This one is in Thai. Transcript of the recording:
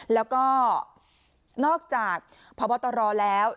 แล้วก็นอกจากพบตรแล้ว